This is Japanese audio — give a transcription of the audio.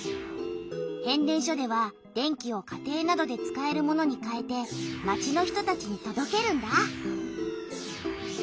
変電所では電気を家庭などで使えるものにかえて町の人たちにとどけるんだ。